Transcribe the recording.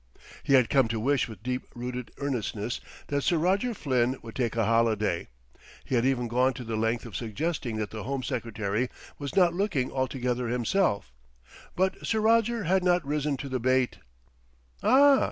He had come to wish with deep rooted earnestness that Sir Roger Flynn would take a holiday. He had even gone to the length of suggesting that the Home Secretary was not looking altogether himself; but Sir Roger had not risen to the bait. "Ah!